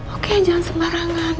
oke jangan semarangan